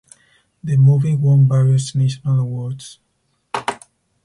The movie won various national awards.